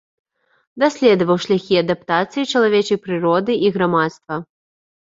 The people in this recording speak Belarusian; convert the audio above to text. Даследаваў шляхі адаптацыі чалавечай прыроды і грамадства.